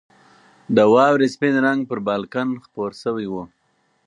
د واورې سپین رنګ پر بالکن خپور شوی و.